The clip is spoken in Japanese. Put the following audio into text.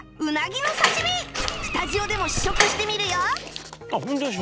スタジオでも試食してみるよ